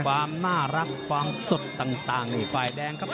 ความน่ารักความสดต่างนี่ฝ่ายแดงครับ